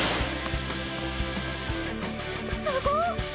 すごっ！